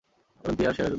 অলিম্পিয়ার সেরা যোদ্ধা।